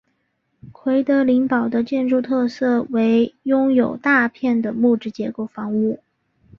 奎德林堡的建筑特色为拥有大片的木质结构房屋。